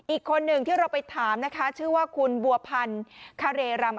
อีกคนหนึ่งที่เราไปถามนะคะชื่อว่าคุณบัวพันธ์คาเรรำ